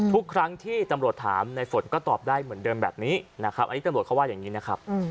ทุกครั้งที่ตำรวจถามในฝนก็ตอบได้เหมือนเดิมแบบนี้นะครับอันนี้ตำรวจเขาว่าอย่างนี้นะครับ